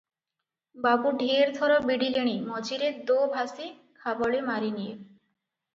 ବାବୁ ଢେର ଥର ବିଡ଼ିଲେଣି ମଝିରେ ଦୋଭାଷୀ ଖାବଳେ ମାରିନିଏ ।